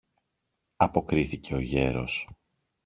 αποκρίθηκε ο γέρος.